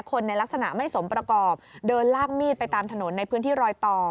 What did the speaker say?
คนในลักษณะไม่สมประกอบเดินลากมีดไปตามถนนในพื้นที่รอยต่อ